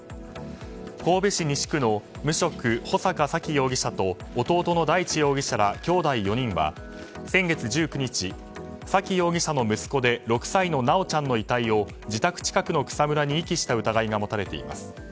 神戸市西区の無職穂坂沙喜容疑者と弟の大地容疑者らきょうだい４人は先月１９日、沙喜容疑者の息子で６歳の修ちゃんの遺体を自宅近くの草むらに遺棄した疑いが持たれています。